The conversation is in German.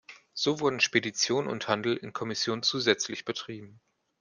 So wurden Spedition und Handel in Kommission zusätzlich betrieben.